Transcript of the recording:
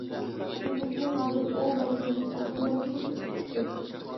دېمىسىمۇ ھازىر ئوۋ مەرگىنىدىن ئەقىل مەرگىنى ئۇتۇپ چىقتى.